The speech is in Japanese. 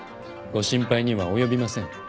ご心配には及びません。